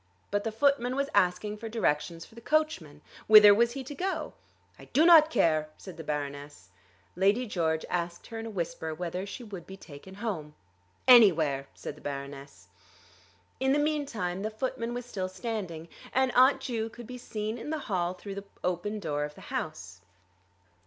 But the footman was asking for directions for the coachman. Whither was he to go? "I do not care," said the Baroness. Lady George asked her in a whisper whether she would be taken home. "Anywhere," said the Baroness. In the meantime the footman was still standing, and Aunt Ju could be seen in the hall through the open door of the house.